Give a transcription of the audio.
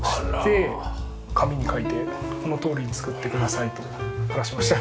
紙に描いてこのとおりに造ってくださいと話しました。